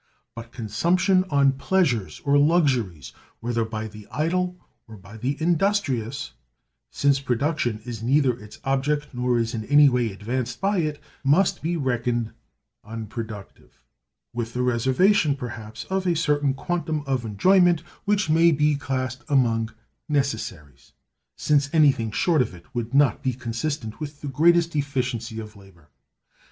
But consumption on pleasures or luxuries, whether by the idle or by the industrious, since production is neither its object nor is in any way advanced by it, must be reckoned Unproductive: with a reservation, perhaps, of a certain quantum of enjoyment which may be classed among necessaries, since anything short of it would not be consistent with the greatest efficiency of labor.